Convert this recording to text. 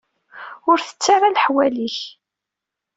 Ur ttettu ara leḥwal-ik.